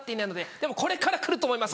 でもこれから来ると思います。